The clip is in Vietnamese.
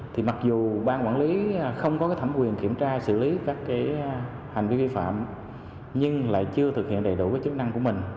thì mặc dù ban quản lý không có thẩm quyền kiểm tra xử lý các cái hành vi vi phạm nhưng lại chưa thực hiện đầy đủ chức năng của mình